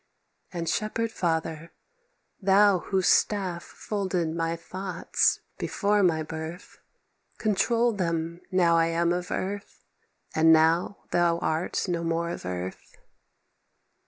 "And shepherd father, thou Whose staff folded my thoughts before my birth, Control them now I am of earth, and now Thou art no more of earth.